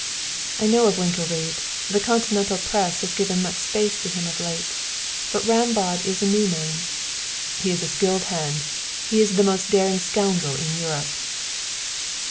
"I know of Winkelried. The continental press has given much space to him of late; but Rambaud is a new name." "He is a skilled hand. He is the most daring scoundrel in Europe."